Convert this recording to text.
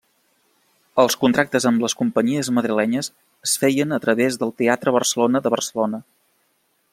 Els contractes amb les companyies madrilenyes es feien a través del Teatre Barcelona de Barcelona.